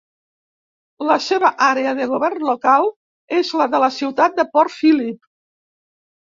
La seva àrea de govern local és la de la ciutat de Port Phillip.